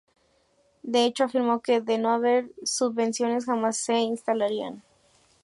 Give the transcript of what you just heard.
De hecho, afirmó que de no haber subvenciones jamás se instalarían.